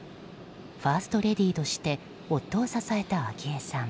ファーストレディーとして夫を支えた昭恵さん。